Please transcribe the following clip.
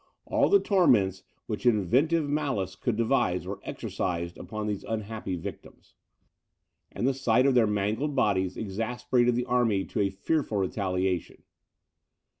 All the torments which inventive malice could devise were exercised upon these unhappy victims; and the sight of their mangled bodies exasperated the army to a fearful retaliation.